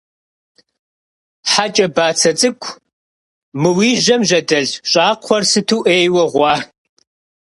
Хьэ кӀэ бацэ цӀыкӀу, мы уи жьэм жьэдэлъ щӀакхъуэр сыту Ӏейуэ гъуа.